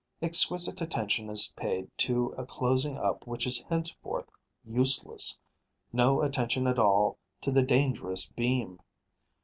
Exquisite attention is paid to a closing up which is henceforth useless; no attention at all to the dangerous beam.